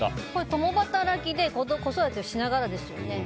共働きで子育てしながらですよね。